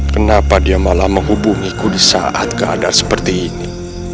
kenapa dia malah menghubungiku di saat keadaan seperti ini